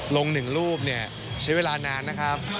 ลง๑รูปเนี่ยใช้เวลานานนะครับ